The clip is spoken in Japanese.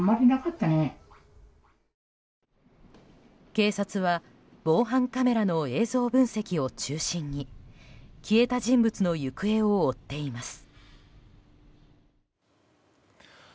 警察は防犯カメラの映像分析を中心に消えた人物の行方を追っています。